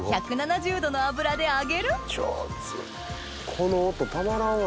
この音たまらんわ！